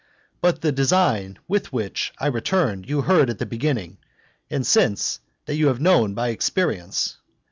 But the design with which I returned you heard at the beginning, and since that you have known by experience.